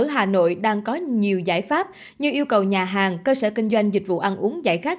hà nội đang có nhiều giải pháp như yêu cầu nhà hàng cơ sở kinh doanh dịch vụ ăn uống giải khát